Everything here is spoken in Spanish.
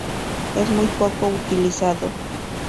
Es muy poco utilizado.